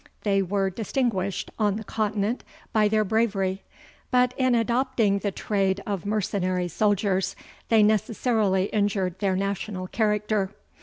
They were distinguished on the Continent by their bravery; but in adopting the trade of mercenary soldiers, they necessarily injured their national character.